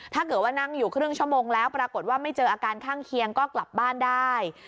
ถ้าเกิดว่านั่งอยู่ครึ่งชั่วโมงแล้วปรากฏว่าไม่เจออาการข้างเคียงก็กลับบ้านได้